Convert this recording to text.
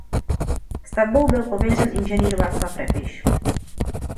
Stavbou byl pověřen inženýr Václav Repiš.